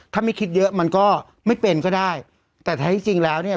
ถ้าไม่คิดเยอะมันก็ไม่เป็นก็ได้แต่แท้ที่จริงแล้วเนี่ย